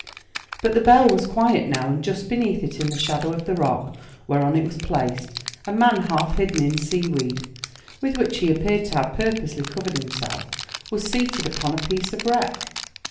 But the bell was quiet now, and just beneath it, in the shadow of the rock whereon it was placed, a man half hidden in seaweed, with which he appeared to have purposely covered himself, was seated upon a piece of wreck.